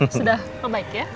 sudah kebaik ya